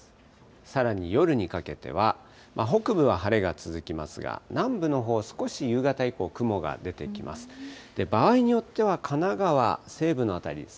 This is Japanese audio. さらに夜にかけては、北部は晴れが続きますが、南部のほう、少し夕方以降、雲が出てきます。